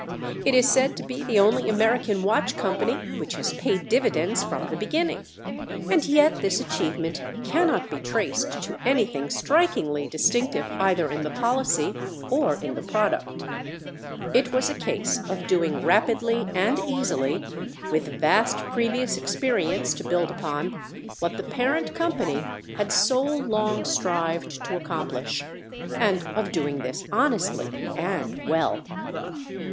It is said to be the only American watch company which has paid dividends from the beginning. And yet this achievement cannot be traced to anything strikingly distinctive either in the policy or in the product. It was a case of doing rapidly and easily, with vast previous experience to build upon, what the parent company had so long strived to accomplish, and of doing this honestly and well.